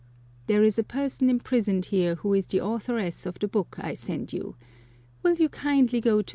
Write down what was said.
There is a person imprisoned here who is the authoress of the book I send you ; will you kindly go to M.